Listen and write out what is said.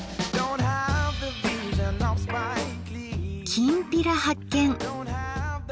「きんぴら」発見！